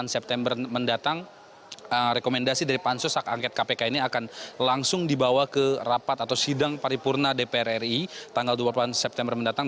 dua puluh september mendatang rekomendasi dari pansus hak angket kpk ini akan langsung dibawa ke rapat atau sidang paripurna dpr ri tanggal dua puluh delapan september mendatang